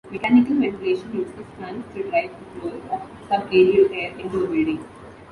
Mechanical ventilation uses fans to drive the flow of subaerial air into a building.